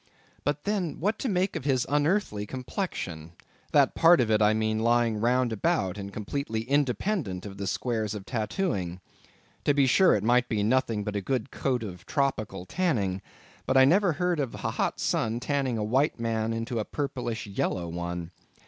But then, what to make of his unearthly complexion, that part of it, I mean, lying round about, and completely independent of the squares of tattooing. To be sure, it might be nothing but a good coat of tropical tanning; but I never heard of a hot sun's tanning a white man into a purplish yellow one.